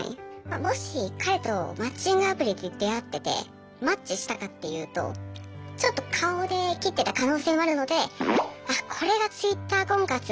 もし彼とマッチングアプリで出会っててマッチしたかっていうとちょっと顔で切ってた可能性もあるのであっこれがＴｗｉｔｔｅｒ婚活だと。